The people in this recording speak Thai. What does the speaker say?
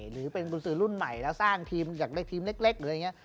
หรือเป็นกุญซื้อรุ่นใหม่แล้วสร้างทีมเล็กอย่างนี้